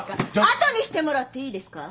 後にしてもらっていいですか？